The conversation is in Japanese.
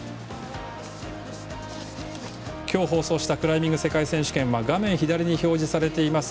今日放送したクライミング世界選手権は画面左に表示されています